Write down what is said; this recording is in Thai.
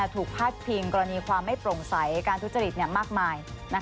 พาดพิงกรณีความไม่โปร่งใสการทุจริตมากมาย